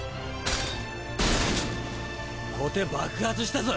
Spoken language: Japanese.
籠手爆発したぞ。